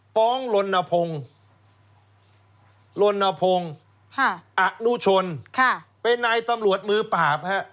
ฟ้องลนพงอดนุชนเป็นนายตำรวจมือปาบ